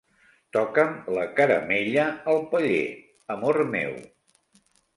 Toca'm la caramella al paller, amor meu.